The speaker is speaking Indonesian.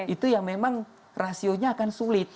itu yang memang rasionya akan sulit